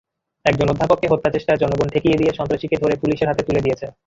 একজন অধ্যাপককে হত্যাচেষ্টা জনগণ ঠেকিয়ে দিয়ে সন্ত্রাসীকে ধরে পুলিশের হাতে তুলে দিয়েছে।